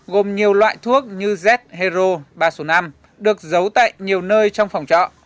gồm nhiều loại thuốc như z hero ba số năm được giấu tại nhiều nơi trong phòng trọ